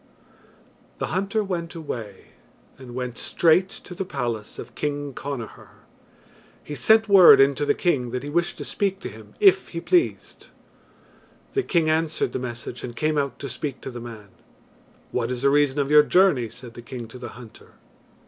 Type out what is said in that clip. The hunter went away, and went straight to the palace of King Connachar. He sent word in to the king that he wished to speak to him if he pleased. The king answered the message and came out to speak to the man. "What is the reason of your journey?" said the king to the hunter.